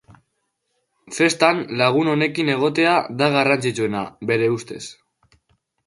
Festan lagun onekin egotea da garrantzitsuena, bere ustez.